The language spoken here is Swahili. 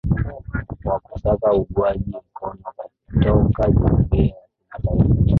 wa kusaka uungwaji mkono kutoka jumuiya ya kimataifa